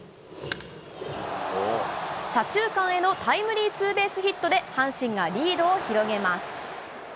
左中間へのタイムリーツーベースヒットで、阪神がリードを広げます。